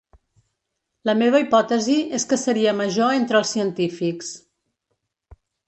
La meva hipòtesi és que seria major entre els científics.